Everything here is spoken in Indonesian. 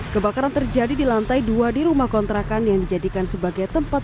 kebakaran terjadi di lantai dua di rumah kontrakan yang dijadikan sebagai tempat